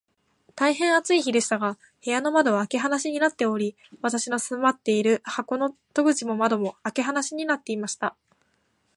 大へん暑い日でしたが、部屋の窓は開け放しになっており、私の住まっている箱の戸口も窓も、開け放しになっていました。